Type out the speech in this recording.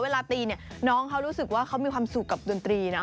เวลาตีเนี่ยน้องเขารู้สึกว่าเขามีความสุขกับดนตรีนะ